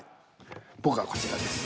僕はこちらです。